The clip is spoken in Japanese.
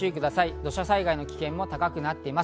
土砂災害の危険性も高くなっています。